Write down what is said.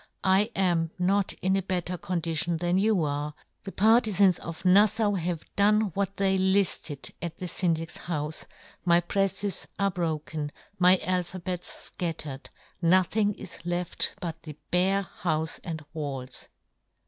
I am not in a better ' condition than you are ; the par ' tifans of Naffau have done what * they lifted at the Syndic's houfe ;* my preffes are broken, my alpha ' bets fcattered, nothing is left but ' the bare houfe and walls."